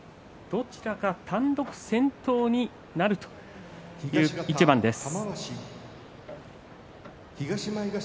どちらかが単独先頭になるという一番です。